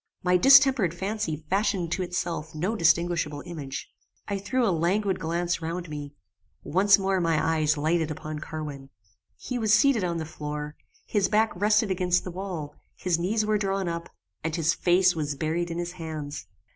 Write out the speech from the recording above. My distempered fancy fashioned to itself no distinguishable image. I threw a languid glance round me; once more my eyes lighted upon Carwin. He was seated on the floor, his back rested against the wall, his knees were drawn up, and his face was buried in his hands.